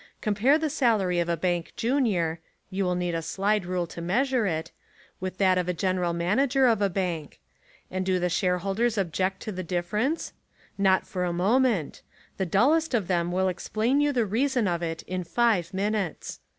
Com pare the salary of a bank junior (you will need a slide rule to measure it) with that of a gen eral manager of a bank. And do the share holders object to the difference? Not for a moment; the dullest of them will explain you the reason of it in five minutes.